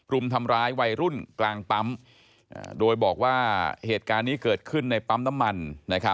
รุมทำร้ายวัยรุ่นกลางปั๊มโดยบอกว่าเหตุการณ์นี้เกิดขึ้นในปั๊มน้ำมัน